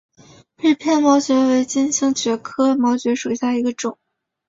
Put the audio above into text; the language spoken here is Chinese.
锐片毛蕨为金星蕨科毛蕨属下的一个种。